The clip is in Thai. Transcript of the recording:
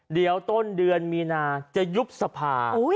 เดี๋ยวต้นเดือนมีนาจะยุบสภา